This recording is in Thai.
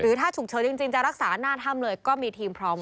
หรือถ้าถูกเฉินจริงจะรักษาหน้าทำเลยก็มีทีมพร้อมแล้ว